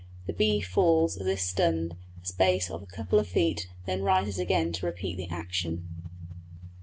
The bee falls, as if stunned, a space of a couple of feet, then rises again to repeat the action.